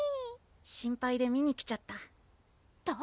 心配で見に来ちゃった誰？